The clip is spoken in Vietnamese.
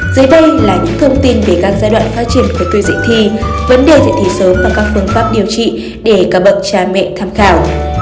dưới đây là những thông tin về các giai đoạn phát triển của tuổi dậy thì vấn đề dậy thì sớm và các phương pháp điều trị để các bậc cha mẹ tham khảo